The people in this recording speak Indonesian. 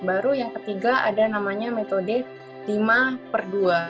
baru yang ketiga ada namanya metode lima per dua